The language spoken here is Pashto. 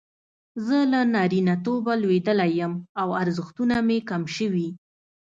زه له نارینتوبه لویدلی یم او ارزښتونه مې کم شوي.